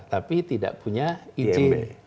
tapi tidak punya izin